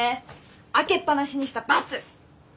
開けっ放しにした罰！